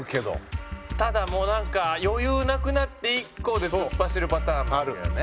ただもうなんか余裕なくなってＩＫＫＯで突っ走るパターンもあるんだよね。